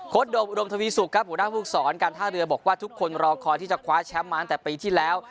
โดมอุดมทวีสุกครับหัวหน้าภูมิสอนการท่าเรือบอกว่าทุกคนรอคอยที่จะคว้าแชมป์มาตั้งแต่ปีที่แล้ว